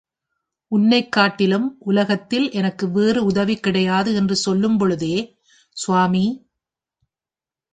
உன்னைக் காட்டிலும் உலகத்தில் எனக்கு வேறு உதவி கிடையாது என்று சொல்லும் பொழுதே, சுவாமி!